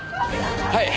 はい。